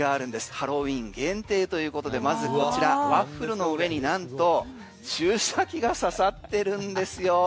ハロウィーン限定ということでまずこちらワッフルの上になんと注射器が刺さってるんですよ。